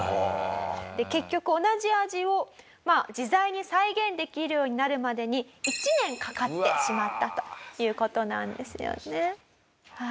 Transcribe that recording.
結局同じ味を自在に再現できるようになるまでに１年かかってしまったという事なんですよね。